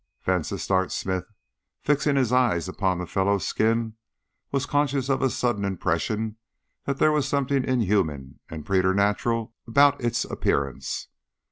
Vansittart Smith, fixing his eyes upon the fellow's skin, was conscious of a sudden impression that there was something inhuman and preternatural about its appearance.